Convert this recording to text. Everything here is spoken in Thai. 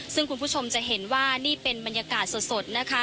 ซึ่งคุณผู้ชมจะเห็นว่านี่เป็นบรรยากาศสดนะคะ